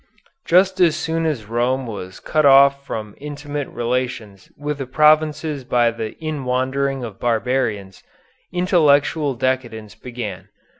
Just as soon as Rome was cut off from intimate relations with the provinces by the inwandering of barbarians, intellectual decadence began.